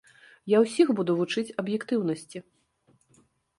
І усіх буду вучыць аб'ектыўнасці.